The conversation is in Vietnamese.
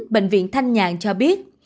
bệnh viện thanh nhàng cho biết